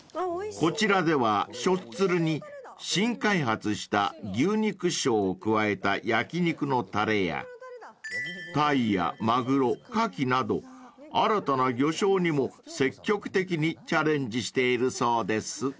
［こちらではしょっつるに新開発した牛肉醤を加えた焼肉のたれやタイやマグロカキなど新たな魚醤にも積極的にチャレンジしているそうです］